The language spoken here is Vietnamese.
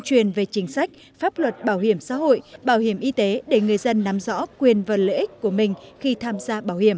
truyền về chính sách pháp luật bảo hiểm xã hội bảo hiểm y tế để người dân nắm rõ quyền và lợi ích của mình khi tham gia bảo hiểm